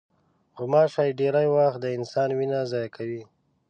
غوماشې ډېری وخت د انسان وینه ضایع کوي.